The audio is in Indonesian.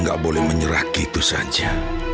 tidak boleh menyerah gitu saja